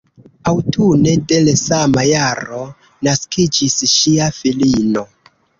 Aŭtune de le sama jaro naskiĝis ŝia filino.